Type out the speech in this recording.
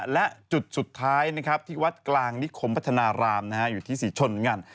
และจุดสุดท้ายที่วัดกลางนิขมพัฒนารามอยู่ที่สิศลนั่ง